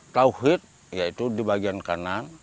tauhid yaitu di bagian kanan